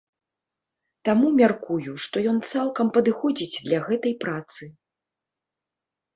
Таму мяркую, што ён цалкам падыходзіць для гэтай працы.